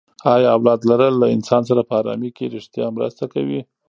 ایا اولاد لرل له انسان سره په ارامي کې ریښتیا مرسته کوي؟